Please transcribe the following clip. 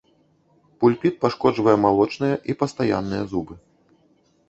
Пульпіт пашкоджвае малочныя і пастаянныя зубы.